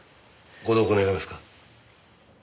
ご同行願えますか？